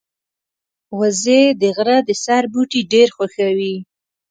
وزې د غره د سر بوټي ډېر خوښوي